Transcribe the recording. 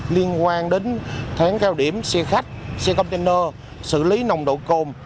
liên quan đến tháng cao điểm xe khách xe container xử lý nồng độ cồn